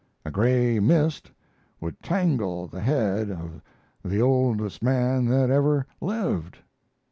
A gray mist would tangle the head of the oldest man that ever lived.